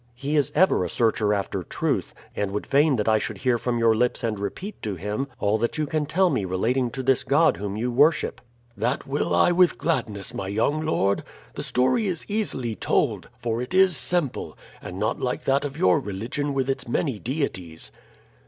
He is ever a searcher after truth, and would fain that I should hear from your lips and repeat to him all that you can tell me relating to this God whom you worship." "That will I with gladness, my young lord. The story is easily told, for it is simple, and not like that of your religion with its many deities."